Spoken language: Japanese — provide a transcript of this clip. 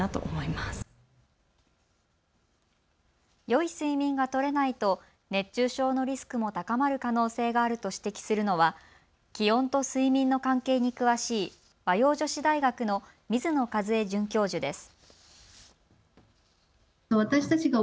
よい睡眠がとれないと熱中症のリスクも高まる可能性があると指摘するのは気温と睡眠の関係に詳しい和洋女子大学の水野一枝准教授です。